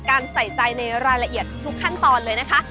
ใส่ใจในรายละเอียดทุกขั้นตอนเลยนะคะ